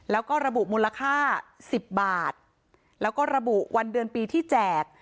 แล้วก็ระบุมูลค่า๑๐บาทแล้วก็ระบุวันเดือนปีที่แจก